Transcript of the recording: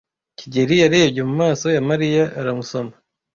kigeli yarebye mu maso ya Mariya aramusoma.